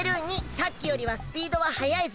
さっきよりはスピードははやいぞ。